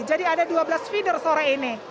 jadi ada dua belas feeder sore ini